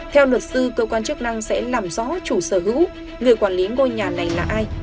theo luật sư cơ quan chức năng sẽ làm rõ chủ sở hữu người quản lý ngôi nhà này là ai